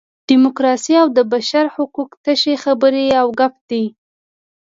ډیموکراسي او د بشر حقوق تشې خبرې او ګپ دي.